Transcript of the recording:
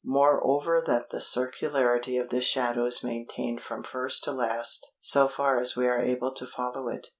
Moreover that the circularity of this shadow is maintained from first to last so far as we are able to follow it.